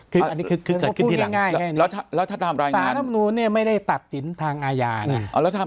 คืออันนี้เกิดขึ้นที่หลังสารรัฐธรรมนูลไม่ได้ตัดศิลป์ทางอาญานะ